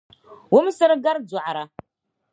Wumsir’ gari dɔɣira.